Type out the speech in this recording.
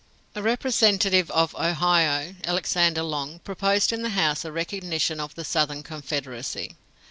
A representative of Ohio, Alexander Long, proposed in the House a recognition of the Southern Confederacy.